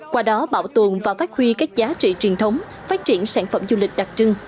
qua đó bảo tồn và phát huy các giá trị truyền thống phát triển sản phẩm du lịch đặc trưng